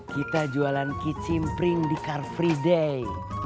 kita jualan kicim pring di car free day